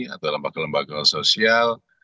atau lembaga lembaga sosial